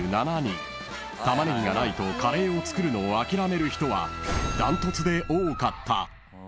［たまねぎがないとカレーを作るのを諦める人は断トツで多かった］